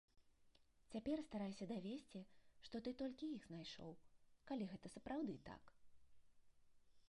Цяпер старайся давесці, што ты толькі іх знайшоў, калі гэта сапраўды так.